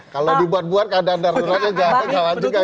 kalau dibuat buat keadaan daruratnya nggak ada